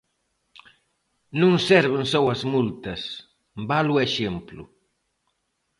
Non serven só as multas, vale o exemplo.